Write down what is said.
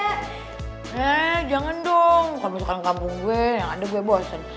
eh jangan dong kamu suka kampung gue yang ada gue bosen